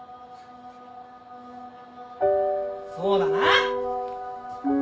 そうだな！